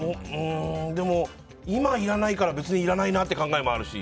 でも、今いらないから別にいらないなって考えもあるし。